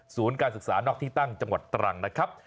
การศึกษานอกที่ตั้งจังหวัดตรังนะครับ